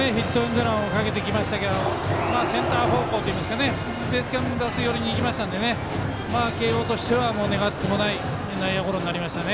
ヒットエンドランをかけてきましたけどセンター方向ベースキャンバス寄りにいきましたので慶応としては願ってもない内野ゴロになりましたね。